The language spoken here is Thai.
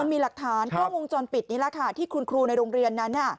มีหลักฐานกล้องวงจรปิดนี่แหละค่ะที่คุณครูในโรงเรียนนั้น